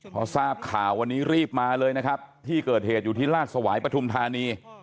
พอทราบข่าววันนี้รีบมาเลยนะครับที่เกิดเหตุอยู่ที่ราชสวายปฐุมธานี